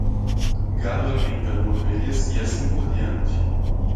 Gado alimentando ovelhas e assim por diante